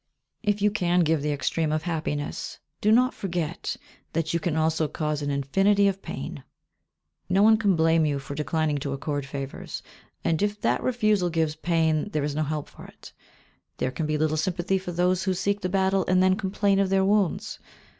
If you can give the extreme of happiness, do not forget that you can also cause an infinity of pain. No one can blame you for declining to accord favours; and if that refusal gives pain, there is no help for it. There can be little sympathy for those who seek the battle and then complain of their wounds.